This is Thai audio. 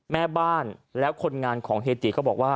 แม่บ้านและคนงานของเฮติก็บอกว่า